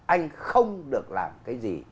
anh không được làm cái gì